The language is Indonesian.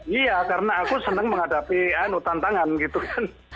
iya karena aku senang menghadapi tantangan gitu kan